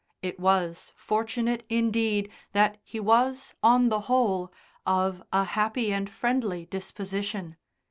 It was fortunate, indeed, that he was, on the whole, of a happy and friendly disposition.